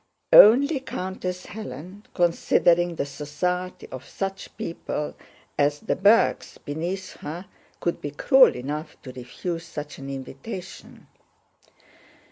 Only Countess Hélène, considering the society of such people as the Bergs beneath her, could be cruel enough to refuse such an invitation.